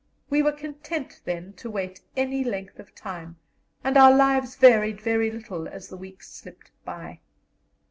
We were content then to wait any length of time, and our lives varied very little as the weeks slipped by.